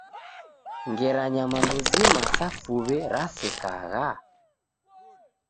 Ngera nyamandu zima sa fuw'e rasekagha?